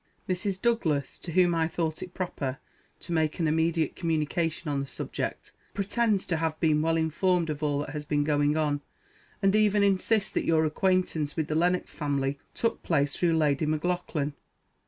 Mrs. Douglas (to whom I thought it proper to _make _an immediate communication on the subject) pretends to have been well informed of all that has been going on, and even insists that your acquaintance with the Lennox family took place through Lady M'Laughlan!